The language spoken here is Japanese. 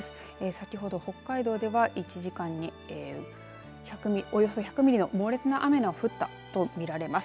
先ほど北海道では１時間におよそ１００ミリの猛烈な雨が降ったとみられます。